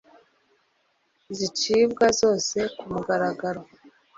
zicibwa zose ku mugaragaro